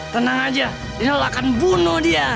tenang aja dina lo akan bunuh dia